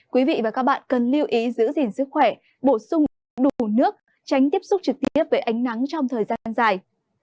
quý vị và các bạn cần lưu ý giữ gìn sức khỏe bổ sung đủ nước tránh tiếp xúc trực tiếp với ánh nắng trong thời gian dài